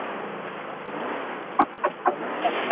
Kan cawleng chengpalang ah aa let.